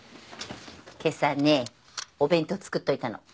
けさねお弁当作っといたの。